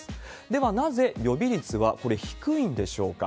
では、なぜ予備率はこれ、低いんでしょうか。